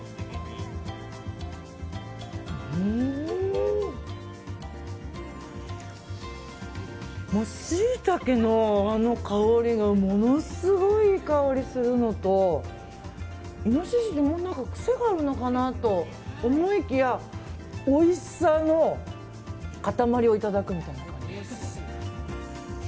うーん、シイタケのあの香りがものすごいいい香りするのとイノシシは癖があるのかなと思いきやおいしさの塊をいただくみたいな感じですね。